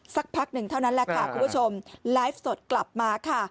สักพักหนึ่งเท่านั้นแหละค่ะคุณผู้ชมไลฟ์สดกลับมาค่ะ